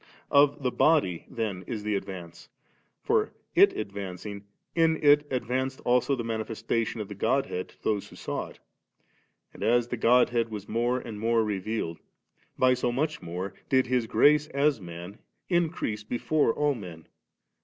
Of the body then is the advance; for, it advancing, in it advanced also the manifestation 7 of the Godhead to those who saw it. And, as the Godhead was more and more revealed, by so much more did His grace as man increase before all men.